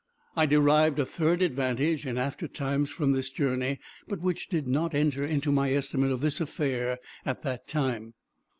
I derived a third advantage, in after times, from this journey, but which did not enter into my estimate of this affair, at that time.